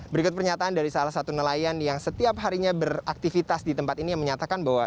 berikut pernyataan dari salah satu nelayan yang setiap harinya beraktivitas di tempat ini yang menyatakan bahwa